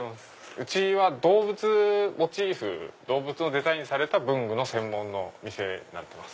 うちは動物のデザインされた文具の専門の店になってます。